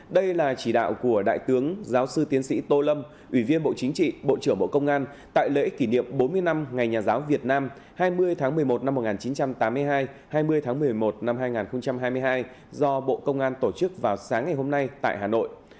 đây là chỉ đạo của đại tướng giáo sư tiến sĩ tô lâm ủy viên bộ chính trị bộ trưởng bộ công an tại lễ kỷ niệm bốn mươi năm ngày nhà giáo việt nam hai mươi tháng một mươi một năm một nghìn chín trăm tám mươi hai hai mươi tháng một mươi một năm hai nghìn hai mươi hai do bộ công an tổ chức vào sáng ngày hôm nay tại hà nội